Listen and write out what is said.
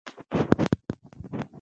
موږ ځینې ارزښتونه لرل.